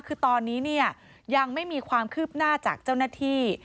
คือตอนนี้เนี่ยยังไม่มีความคืบหน้าจากเจ้าหน้าที่